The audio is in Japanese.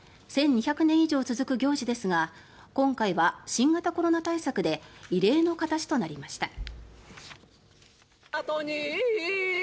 １２００年以上続く行事ですが今回は新型コロナ対策で異例の形となりました。